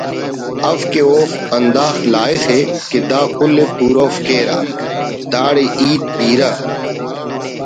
اف کہ اوفک ہنداخہ لائخ ءُ کہ دا کل ءِ پورو کیرہ داڑے ہیت بیرہ